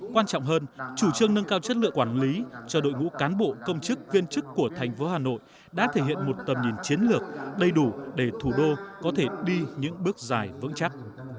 quan trọng hơn chủ trương nâng cao chất lượng quản lý cho đội ngũ cán bộ công chức viên chức của thành phố hà nội đã thể hiện một tầm nhìn chiến lược đầy đủ để thủ đô có thể đi những bước dài vững chắc